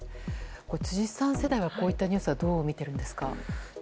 辻さん世代はこういったニュースはどう見ているんですか？